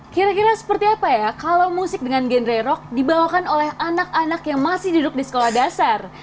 kira kira seperti apa ya kalau musik dengan genre rock dibawakan oleh anak anak yang masih duduk di sekolah dasar